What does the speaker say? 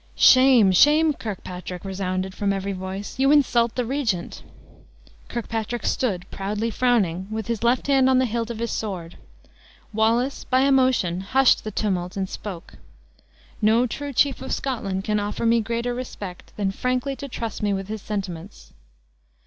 "Shame, shame, Kirkpatrick!" resounded from every voice, "you insult the regent!" Kirkpatrick stood, proudly frowning, with his left hand on the hilt of his sword. Wallace, by a motion, hushed the tumult, and spoke: "No true chief of Scotland can offer me greater respect, than frankly to trust me with his sentiments."